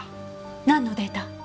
なんのデータ？